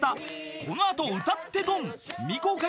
このあと歌って。